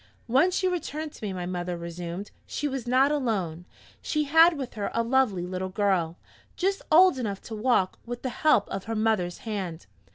"When she returned to me," my mother resumed, "she was not alone. She had with her a lovely little girl, just old enough to walk with the help of her mother's hand.